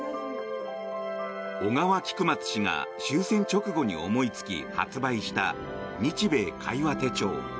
小川菊松氏が終戦直後に思いつき発売した「日米會話手帳」。